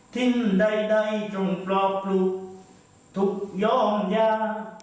สิ่งใดจงปลอบปลูกถูกย่องยา